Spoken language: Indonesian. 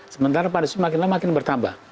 sementara pada suatu makin lama makin bertambah